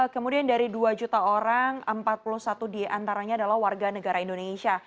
kemudian dari dua juta orang empat puluh satu diantaranya adalah warga negara indonesia